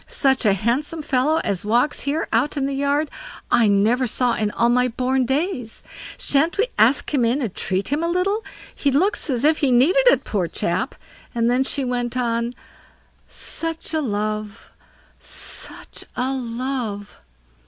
Such a handsome fellow as walks here, out in the yard, I never saw in all my born days. Shan't we ask him in and treat him a little; he looks as if he needed it, poor chap?" and then she went on: "Such a love! such a love!"